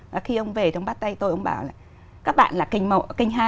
và khi ông về thì ông bắt tay tôi ông bảo là các bạn là kênh một kênh hai